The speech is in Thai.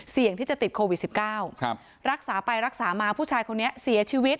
เสี่ยงที่จะติดโควิด๑๙รักษาไปรักษามาผู้ชายคนนี้เสียชีวิต